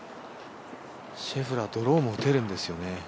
シェフラー、ドローも打てるんですよね。